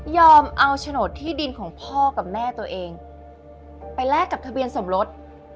เอาโฉนดที่ดินของพ่อกับแม่ตัวเองไปแลกกับทะเบียนสมรส